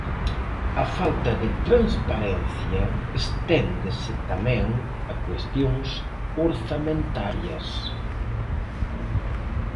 A falta de transparencia esténdese tamén a cuestións orzamentarias.